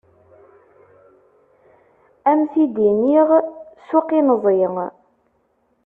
Ad am t-id-iniɣ s uqinẓi.